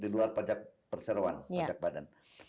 di luar pajak perseroan pajak badan